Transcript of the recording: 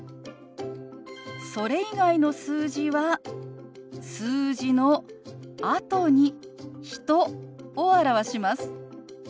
それ以外の数字は数字のあとに人を表します。